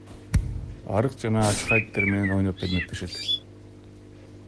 Арык жана ачка иттер менен ойноп эрмектешет.